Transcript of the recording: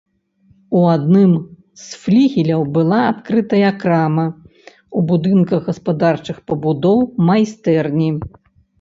У адным з флігеляў была адкрытая крама, у будынках гаспадарчых пабудоў майстэрні.